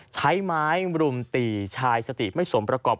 ใช้ไม้รุมตีชายสติไม่สมประกอบ